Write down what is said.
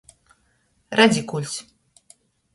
Radzikuļs.